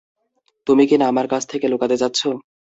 তুমি কিনা আমার কাছ থেকে লুকাতে চাচ্ছো?